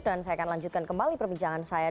dan saya akan lanjutkan kembali perbincangan saya